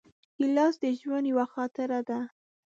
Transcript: ګیلاس د ژوند یوه خاطره ده.